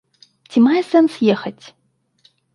Ці мае сэнс ехаць?